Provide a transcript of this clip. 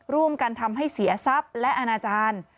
ร่วมกันทำให้เสียทรัพย์และอนาจารย์